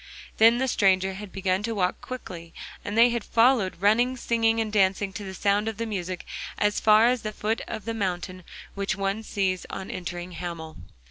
Then the stranger had begun to walk quickly, and they had followed, running, singing and dancing to the sound of the music, as far as the foot of the mountain which one sees on entering Hamel.